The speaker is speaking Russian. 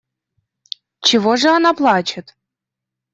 Чего же она плачет?